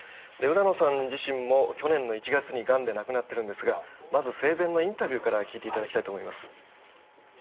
浦野さん自身も去年の１月にガンで亡くなってるんですがまず生前のインタビューから聞いて頂きたいと思います。